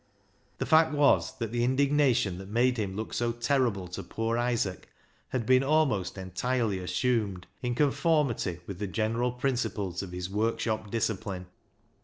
The fact was that the indignation that made him look so terrible to poor Isaac had been almost entirely assumed, in conformity with the general principles of his workshop discipline.